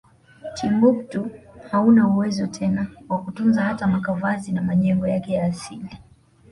Timbuktu hauna uwezo tena wakutunza hata makavazi na majengo yake ya asili